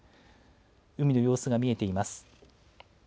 海の様子が見えています。